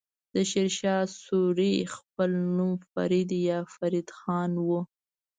د شير شاه سوری خپل نوم فريد يا فريد خان وه.